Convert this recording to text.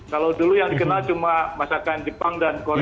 kalau dulu yang dikenal cuma masakan jepang dan korea